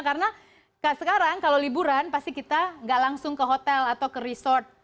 karena sekarang kalau liburan pasti kita nggak langsung ke hotel atau ke resort